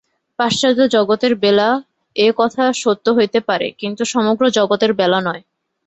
পাশ্চাত্য-জগতের বেলা এ-কথা সত্য হইতে পারে, কিন্তু সমগ্র জগতের বেলা নয়।